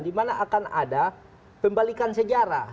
di mana akan ada pembalikan sejarah